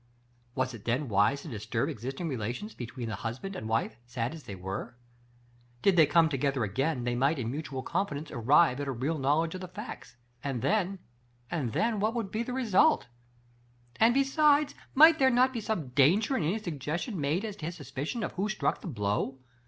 Was it then wise to dis turb existing relations between the husband and wife, sad though they were? Did they come to gether again, they might in mutual confidence arrive at a real knowledge of the facts, and then — and then, what would be the result? And be sides, might there not be some danger in any suggestion made as to his suspicion of who struck the blow?